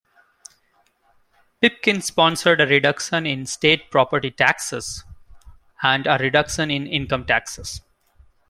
Pipkin sponsored a reduction in state property taxes and a reduction in income taxes.